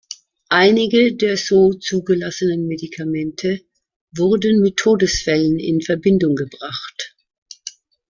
Einige der so zugelassenen Medikamente wurden mit Todesfällen in Verbindung gebracht.